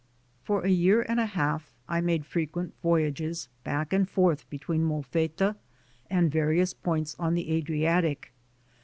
For a year and a half I made frequent voyages back and forth between Molfetta and various points on the Adriatic.